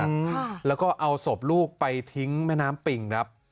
ค่ะแล้วก็เอาศพลูกไปทิ้งแม่น้ำปิ่งครับ